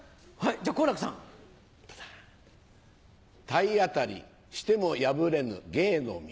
体当たりしても破れぬ芸の道。